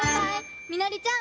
みのりちゃん。